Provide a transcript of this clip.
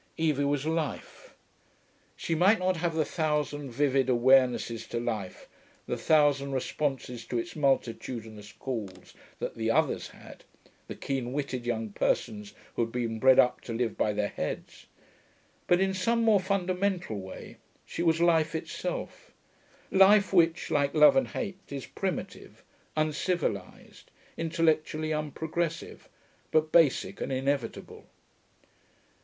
Evie was life. She might not have the thousand vivid awarenesses to life, the thousand responses to its multitudinous calls, that the others had, the keen witted young persons who had been bred up to live by their heads; but, in some more fundamental way, she was life itself: life which, like love and hate, is primitive, uncivilised, intellectually unprogressive, but basic and inevitable.